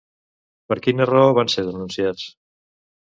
Per quina raó van ser denunciats?